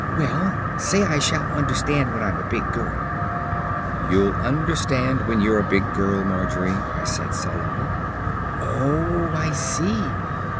"Well, say I shall understand when I'm a big girl." "You'll understand when you're a big girl, Margery," I said solemnly. "Oh, I see."